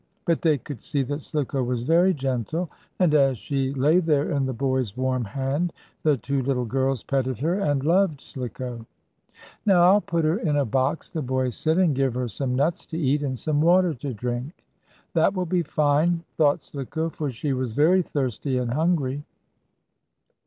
But they could see that Slicko was very gentle, and, as she lay there, in the boy's warm hand, the two little girls petted her, and loved Slicko. "Now I'll put her in a box," the boy said, "and give her some nuts to eat and some water to drink." "That will be fine!" thought Slicko, for she was very thirsty and hungry.